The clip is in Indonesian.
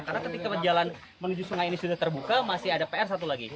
karena ketika jalan menuju sungai ini sudah terbuka masih ada pr satu lagi